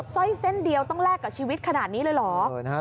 ร้อยเส้นเดียวต้องแลกกับชีวิตขนาดนี้เลยเหรอ